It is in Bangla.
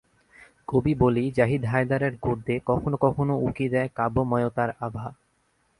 কবি বলেই জাহিদ হায়দারের গদ্যে কখনো কখনো উঁকি দেয় কাব্যময়তার আভা।